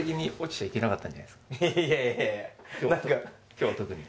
今日は特に。